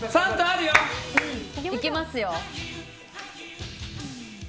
いきますよ。